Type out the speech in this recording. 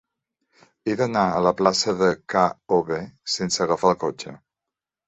He d'anar a la plaça de K-obe sense agafar el cotxe.